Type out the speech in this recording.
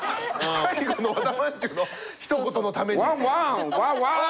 最後の和田まんじゅうのひと言のために。